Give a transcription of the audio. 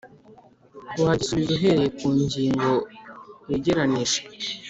wagisubiza uhereye ku ngingo wegeranije.